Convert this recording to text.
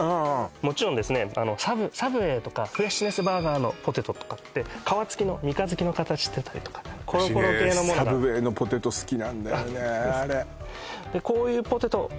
もちろんですねサブウェイとかフレッシュネスバーガーのポテトとかって皮付きの三日月の形してたりとか私ねサブウェイのポテト好きなんだよねでこういうポテトもジャガイモ感を